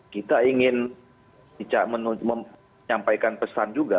kita ingin menyampaikan pesan juga